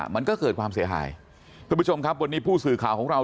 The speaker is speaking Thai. มันก็เกิดความเสียหายทุกผู้ชมครับวันนี้ผู้สื่อข่าวของเรา